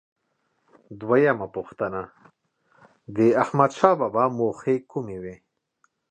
دویمه پوښتنه: د احمدشاه بابا موخې کومې وې؟